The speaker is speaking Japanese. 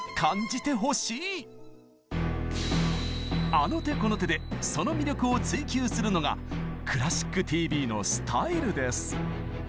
あの手この手でその魅力を追求するのが「クラシックＴＶ」のスタイルです。